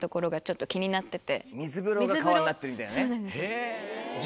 そうなんです。